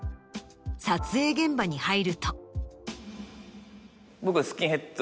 撮影現場に入ると。